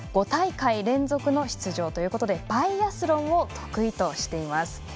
５大会連続の出場ということでバイアスロンを得意としています。